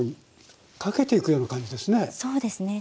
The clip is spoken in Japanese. そうですね。